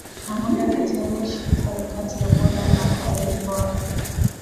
na moja kati ya mechi hizo ni kati ya poland na cote devoire